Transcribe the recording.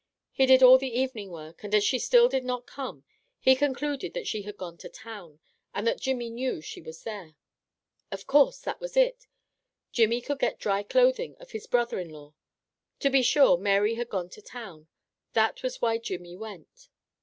He did all the evening work, and as she still did not come, he concluded that she had gone to town, and that Jimmy knew she was there. Of course, that was it! Jimmy could get dry clothing of his brother in law. To be sure, Mary had gone to town. That was why Jimmy went.